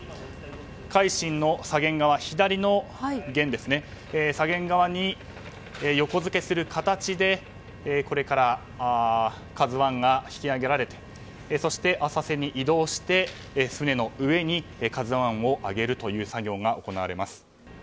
「海進」の左舷側に横付けする形でこれから、「ＫＡＺＵ１」が引き揚げられてそして、浅瀬に移動して船の上に「ＫＡＺＵ１」を上げる作業が行われます。